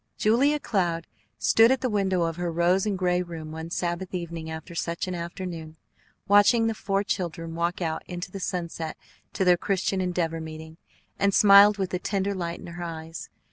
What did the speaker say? Julia Cloud stood at the window of her rose and gray room one Sabbath evening after such an afternoon, watching the four children walk out into the sunset to their Christian Endeavor meeting, and smiled with a tender light in her eyes.